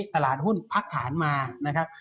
ตอนนี้ตลาดหุ้นพักฐานมานะครับ